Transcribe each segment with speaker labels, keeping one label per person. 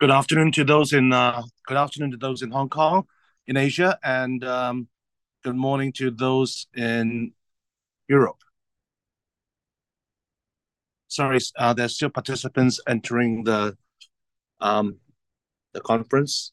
Speaker 1: Good afternoon to those in, good afternoon to those in Hong Kong, in Asia, and, good morning to those in Europe. Sorry, there are still participants entering the, the conference.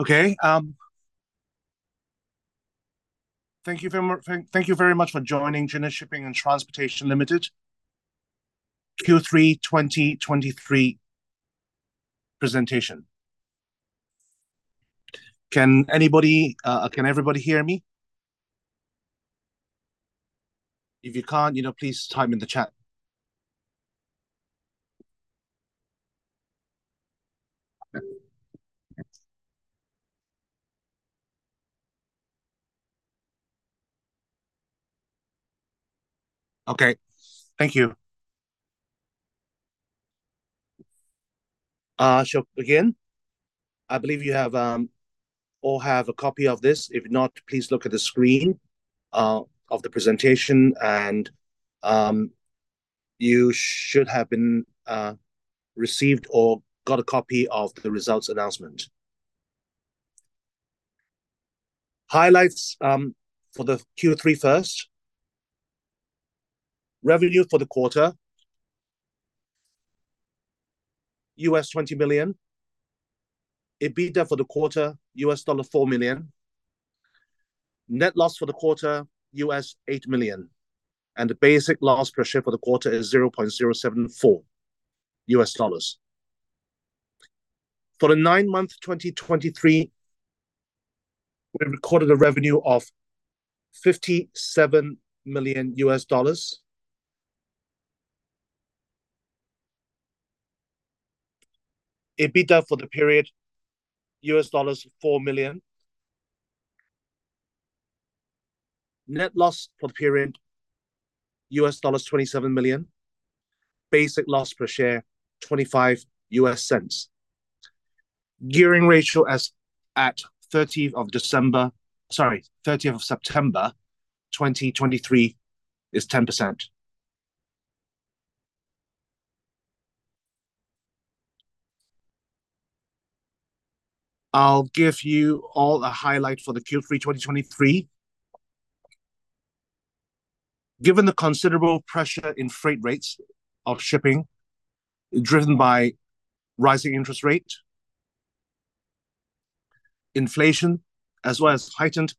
Speaker 1: Okay, thank you very much, thank, thank you very much for joining Jinhui Shipping and Transportation Limited Q3 2023 presentation. Can anybody, can everybody hear me? If you can't please type in the chat. Okay, thank you. Shall begin. I believe you have, all have a copy of this. If not, please look at the screen, of the presentation, and, you should have been, received or got a copy of the results announcement. Highlights, for the Q3 first. Revenue for the quarter, $20 million. EBITDA for the quarter, $4 million. Net loss for the quarter, $8 million. The basic loss per share for the quarter is $0.074. For the nine-month 2023, we recorded a revenue of $57 million. EBITDA for the period, $4 million. Net loss for the period, $27 million. Basic loss per share, $0.25. Gearing ratio as at 30th of September 2023 is 10%. I'll give you all a highlight for the Q3 2023. Given the considerable pressure in freight rates of shipping, driven by rising interest rate, inflation, as well as heightened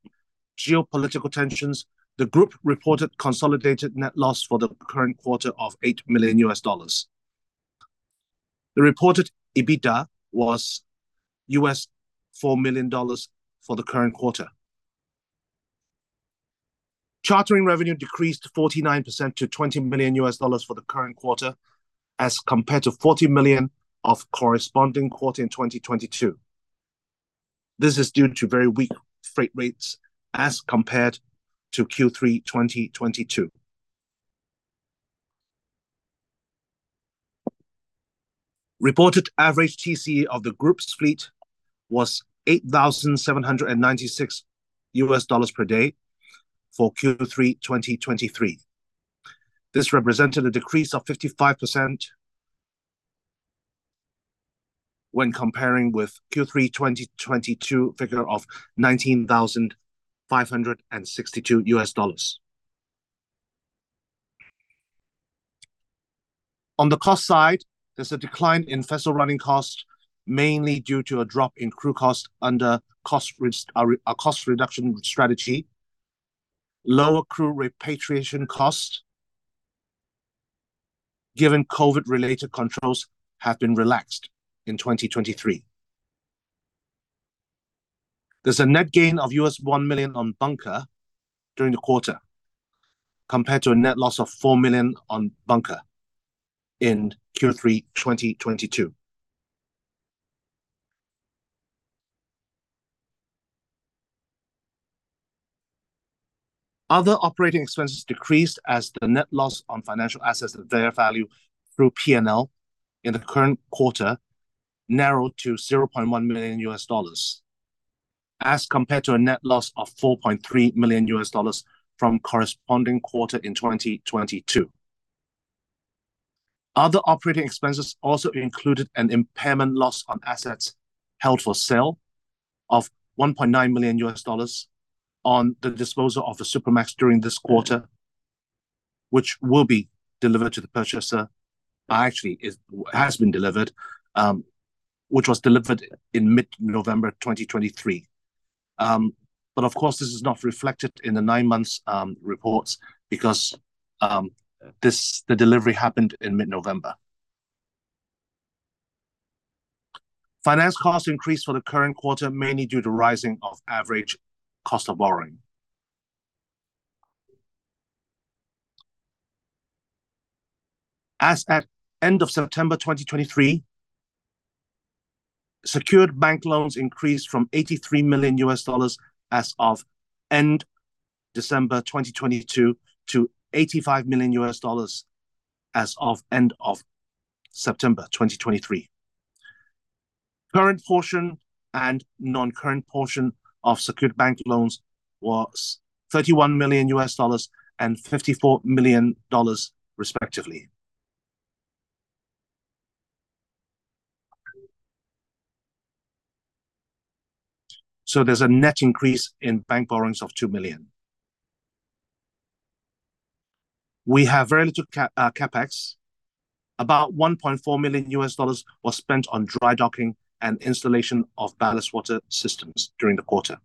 Speaker 1: geopolitical tensions, the group reported consolidated net loss for the current quarter of $8 million. The reported EBITDA was $4 million for the current quarter. Chartering revenue decreased 49% to $20 million for the current quarter, as compared to $40 million of corresponding quarter in 2022. This is due to very weak freight rates as compared to Q3 2022. Reported average TCE of the group's fleet was 8,796 $ per day for Q3 2023. This represented a decrease of 55% when comparing with Q3 2022 figure of 19,562 $. On the cost side, there's a decline in vessel running cost, mainly due to a drop in crew cost under our cost reduction strategy. Lower crew repatriation cost, given COVID-related controls have been relaxed in 2023. There's a net gain of $1 million on bunker during the quarter, compared to a net loss of $4 million on bunker in Q3 2022. Other operating expenses decreased as the net loss on financial assets at fair value through PNL in the current quarter narrowed to $0.1 million, as compared to a net loss of $4.3 million from corresponding quarter in 2022. Other operating expenses also included an impairment loss on assets held for sale of $1.9 million on the disposal of the Supramax during this quarter, which will be delivered to the purchaser. Actually, it has been delivered, which was delivered in mid-November 2023. But of course, this is not reflected in the nine months reports because the delivery happened in mid-November. Finance costs increased for the current quarter, mainly due to rising of average cost of borrowing. As at end of September 2023-... Secured bank loans increased from $83 million as of end December 2022, to $85 million as of end of September 2023. Current portion and non-current portion of secured bank loans was $31 million and $54 million, respectively. So there's a net increase in bank borrowings of $2 million. We have very little CapEx. About $1.4 million was spent on dry docking and installation of ballast water systems during the quarter.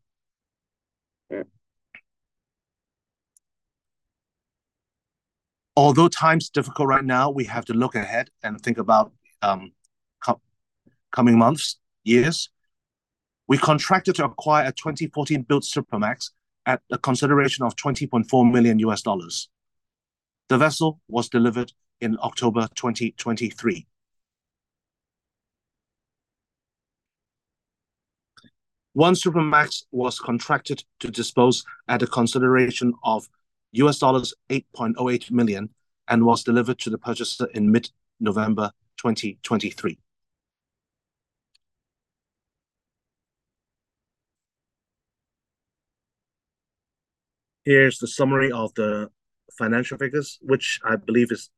Speaker 1: Although times difficult right now, we have to look ahead and think about coming months, years. We contracted to acquire a 2014-built Supramax at a consideration of $20.4 million. The vessel was delivered in October 2023. One Supramax was contracted to dispose at a consideration of $8.08 million and was delivered to the purchaser in mid-November 2023. Here's the summary of the financial figures, which I believe is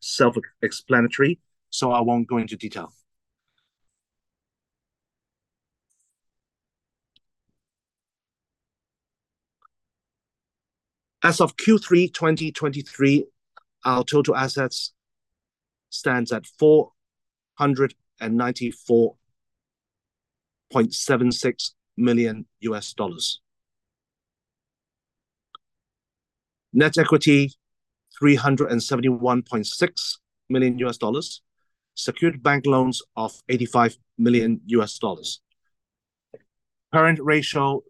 Speaker 1: self-explanatory, so I won't go into detail. As of Q3 2023, our total assets stands at $494.76 million. Net equity, $371.6 million. Secured bank loans of $85 million. Current ratio,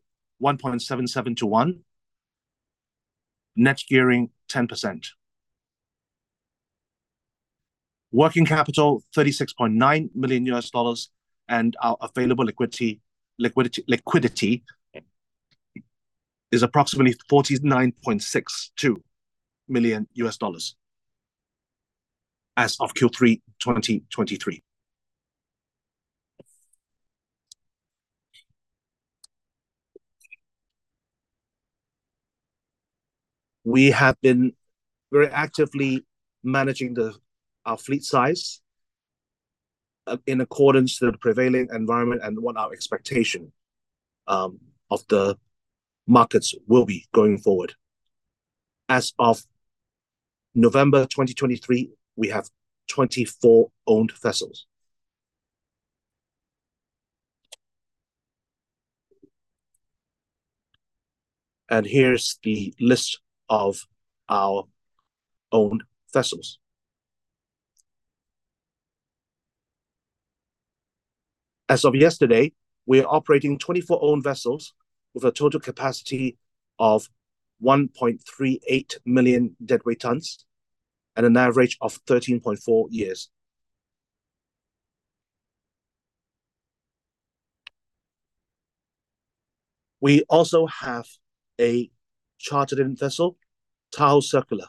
Speaker 1: 1.77 to 1. Net gearing, 10%. Working capital, $36.9 million, and our available liquidity is approximately $49.62 million as of Q3 2023. We have been very actively managing our fleet size in accordance to the prevailing environment and what our expectation of the markets will be going forward. As of November 2023, we have 24 owned vessels. Here's the list of our owned vessels. As of yesterday, we are operating 24 owned vessels with a total capacity of 1.38 million deadweight tons at an average of 13.4 years. We also have a chartered-in vessel, Taho Circular.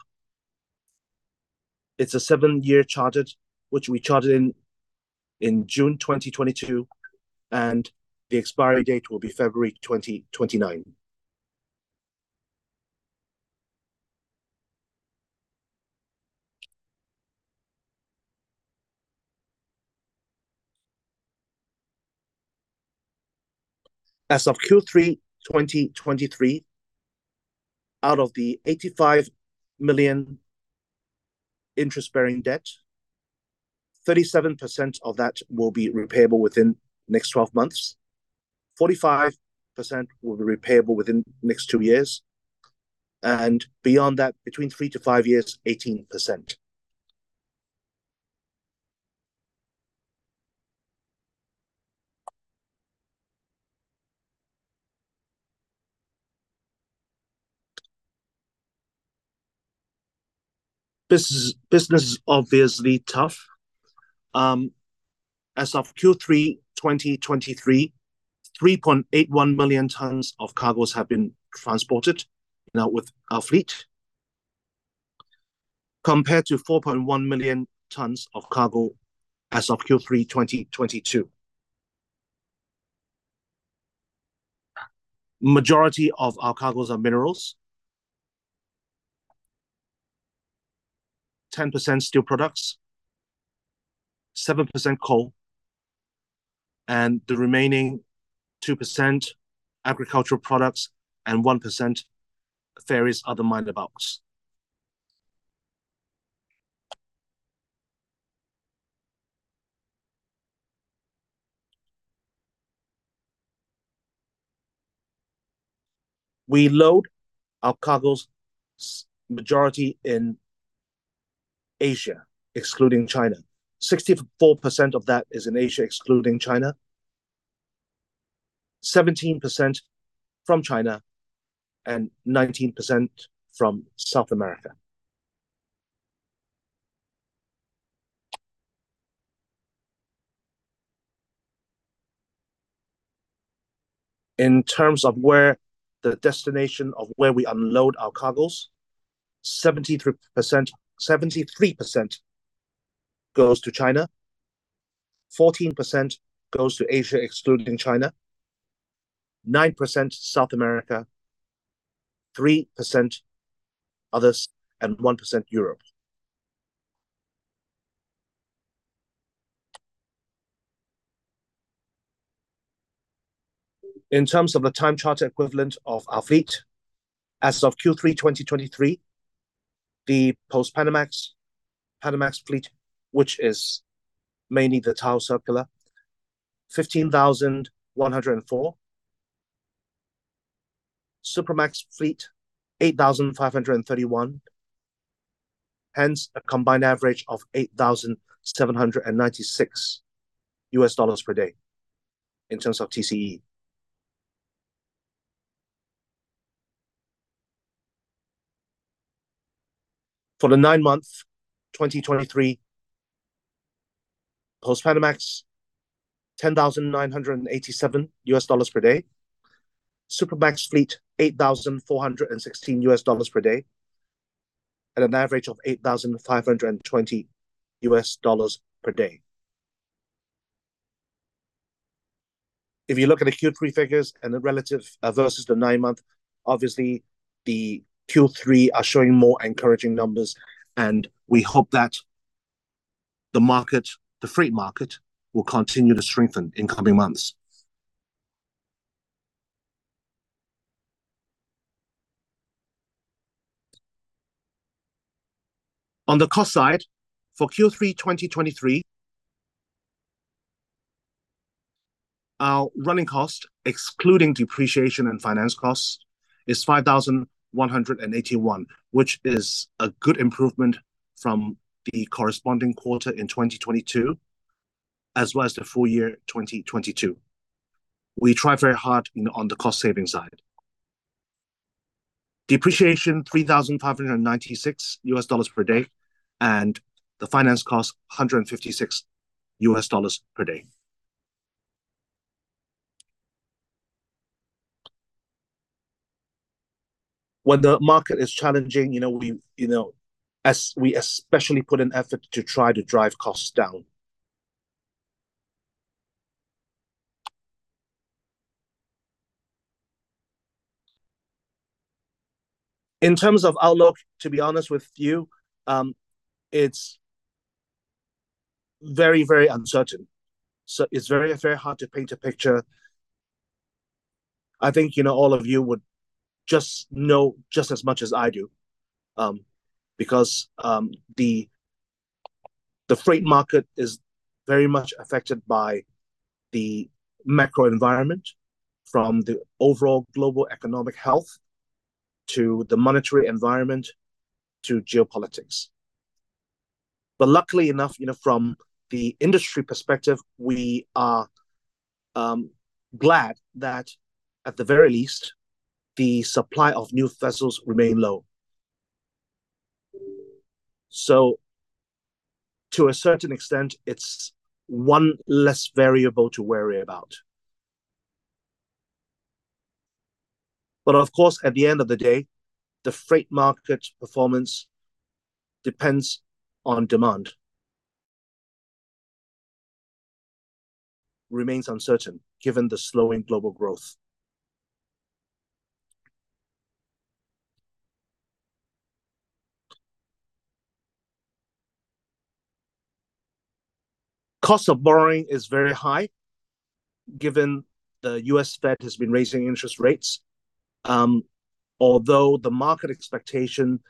Speaker 1: It's a seven year charter, which we chartered in, in June 2022, and the expiry date will be February 2029. As of Q3 2023, out of the $85 million interest-bearing debt, 37% of that will be repayable within the next 12 months, 45% will be repayable within the next two years, and beyond that, between three to five years, 18%. Business, business is obviously tough. As of Q3 2023, 3.81 million tons of cargos have been transported now with our fleet, compared to 4.1 million tons of cargo as of Q3 2022. Majority of our cargos are minerals, 10% steel products, 7% coal, and the remaining 2%, agricultural products, and 1%, various other minor bulks. We load our cargos, majority in Asia, excluding China. 64% of that is in Asia, excluding China, 17% from China, and 19% from South America.... In terms of where the destination of where we unload our cargoes, 73%, 73% goes to China, 14% goes to Asia, excluding China, 9% South America, 3% others, and 1% Europe. In terms of the time charter equivalent of our fleet, as of Q3 2023, the post-Panamax, Panamax fleet, which is mainly the TAHO CIRCULAR, 15,104. Supramax fleet, 8,531, hence a combined average of $8,796 per day in terms of TCE. For the nine months, 2023, post-Panamax, $10,987 per day, Supramax fleet, $8,416 per day, at an average of $8,520 per day. If you look at the Q3 figures and the relative versus the nine-month, obviously, the Q3 are showing more encouraging numbers, and we hope that the market, the freight market, will continue to strengthen in coming months. On the cost side, for Q3 2023, our running cost, excluding depreciation and finance costs, is $5,181, which is a good improvement from the corresponding quarter in 2022, as well as the full year, 2022. We try very hard in on the cost-saving side. Depreciation, $3,596 per day, and the finance cost, $156 per day. When the market is challenging we as we especially put an effort to try to drive costs down. In terms of outlook, to be honest with you, it's very, very uncertain. So it's very, very hard to paint a picture. I think all of you would just know just as much as I do, because the freight market is very much affected by the macro environment, from the overall global economic health to the monetary environment to geopolitics. But luckily enough from the industry perspective, we are glad that at the very least, the supply of new vessels remain low. So to a certain extent, it's one less variable to worry about. But of course, at the end of the day, the freight market performance depends on demand. Remains uncertain, given the slowing global growth. Cost of borrowing is very high, given the U.S. Fed has been raising interest rates, although the market expectation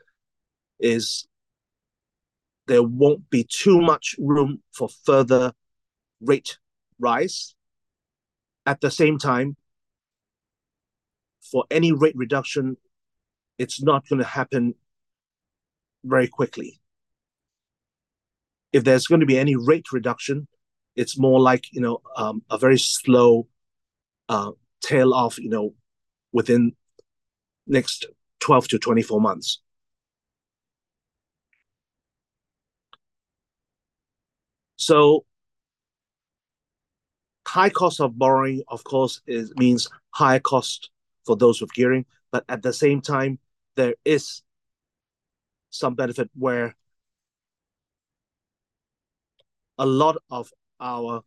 Speaker 1: is there won't be too much room for further rate rise. At the same time, for any rate reduction, it's not going to happen very quickly. If there's going to be any rate reduction, it's more like a very slow tail off within the next 12-24 months. So high cost of borrowing, of course, means higher cost for those with gearing, but at the same time, there is some benefit where a lot of our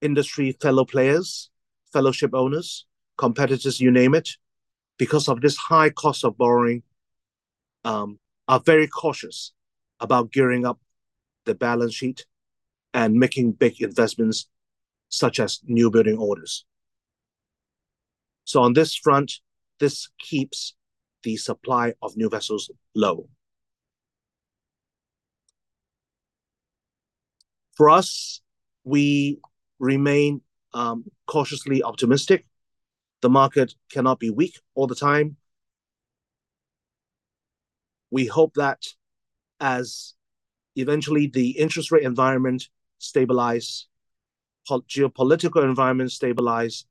Speaker 1: industry, fellow players, fellow ship owners, competitors, you name it, because of this high cost of borrowing, are very cautious about gearing up the balance sheet and making big investments, such as newbuilding orders. So on this front, this keeps the supply of new vessels low. For us, we remain cautiously optimistic. The market cannot be weak all the time. We hope that as eventually the interest rate environment stabilize, geopolitical environment stabilize,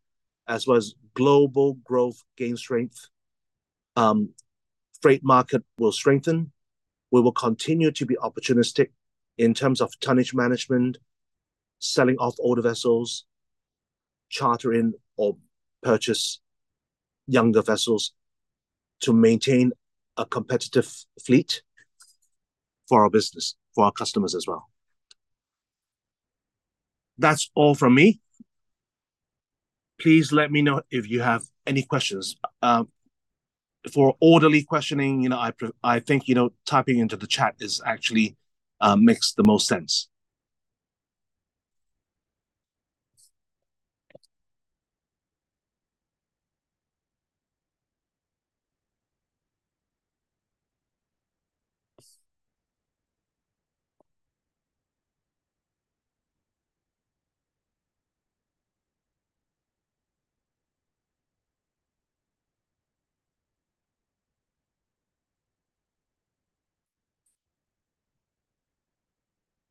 Speaker 1: as well as global growth gain strength, freight market will strengthen. We will continue to be opportunistic in terms of tonnage management, selling off older vessels, chartering or purchase younger vessels to maintain a competitive fleet for our business, for our customers as well. That's all from me. Please let me know if you have any questions. For orderly questioning I think typing into the chat is actually makes the most sense.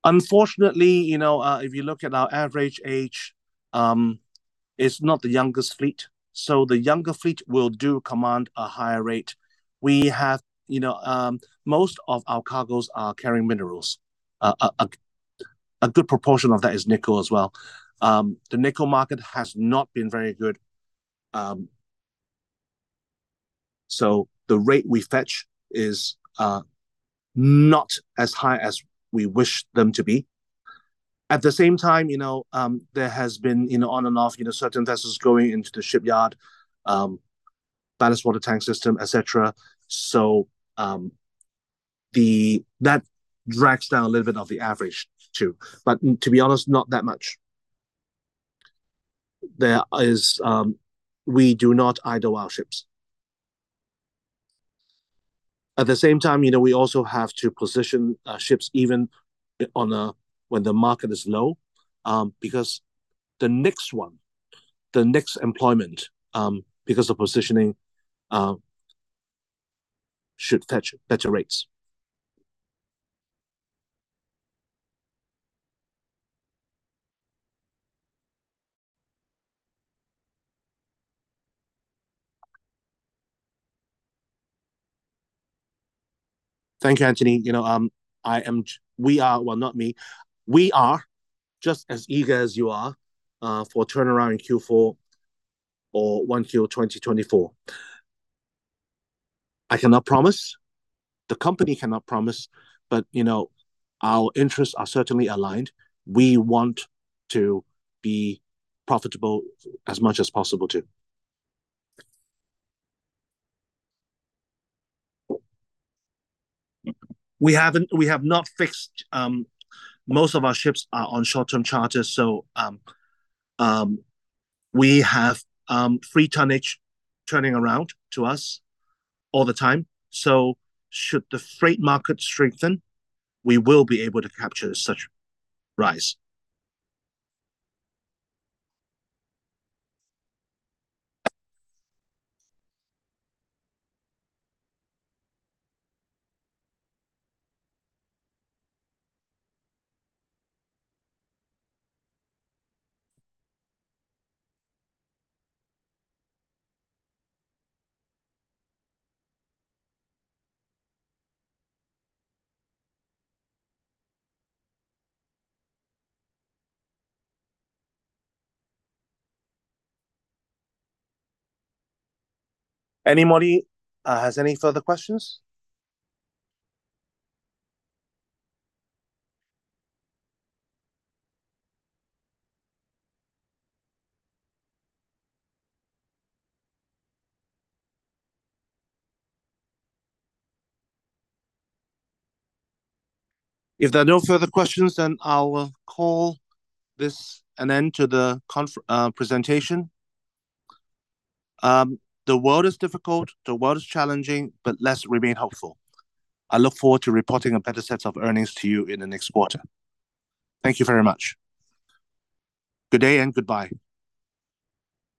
Speaker 1: Unfortunately if you look at our average age, it's not the youngest fleet, so the younger fleet will do command a higher rate. We have most of our cargoes are carrying minerals. A good proportion of that is nickel as well. The nickel market has not been very good, so the rate we fetch is not as high as we wish them to be.
Speaker 2: At the same time there has been on and off certain vessels going into the shipyard, ballast water tank system, et cetera. So, that drags down a little bit of the average, too, but to be honest, not that much. There is, we do not idle our ships. At the same time we also have to position, ships even on a, when the market is low, because the next one, the next employment, because of positioning, should fetch better rates.
Speaker 1: Thank you, Anthony. I am- we are... Well, not me. We are just as eager as you are, for a turnaround in Q4 or Q1 2024. I cannot promise, the company cannot promise, but our interests are certainly aligned. We want to be profitable as much as possible, too. We have not fixed, most of our ships are on short-term charters, so, we have, free tonnage turning around to us all the time. So should the freight market strengthen, we will be able to capture such rise. Anybody has any further questions? If there are no further questions, then I'll call this an end to the conference presentation. The world is difficult, the world is challenging, but let's remain hopeful. I look forward to reporting a better set of earnings to you in the next quarter. Thank you very much. Good day and goodbye.